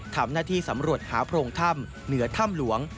ทำหน้าที่สำรวจหาโพรงถ้ำเหนือถ้ำหลวง